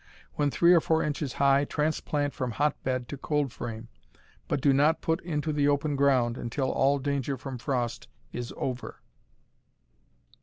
When three or four inches high transplant from hotbed to cold frame, but do not put into the open ground until all danger from frost is over.